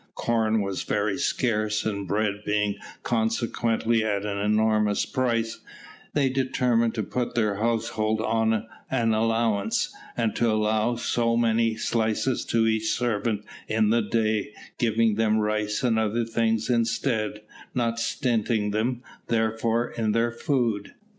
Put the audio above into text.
"Corn was very scarce, and bread being consequently at an enormous price, they determined to put their household on an allowance, and to allow so many slices to each servant in the day, giving them rice and other things instead, not stinting them, therefore, in their food.